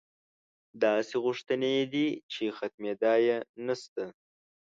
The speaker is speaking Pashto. داسې غوښتنې یې دي چې ختمېدا یې نشته.